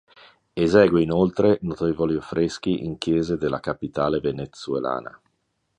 Esegue inoltre notevoli affreschi in Chiese della capitale venezuelana.